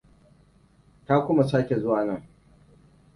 Ta kuma sake zuwa nan.